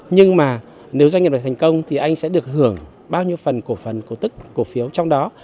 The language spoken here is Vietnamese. nhưng mà nếu doanh nghiệp này thành công thì anh sẽ được hưởng bao nhiêu phần cổ phần cổ tức cổ phiếu trong đó